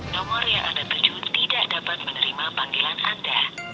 nomor yang ada tujuh tidak dapat menerima panggilan anda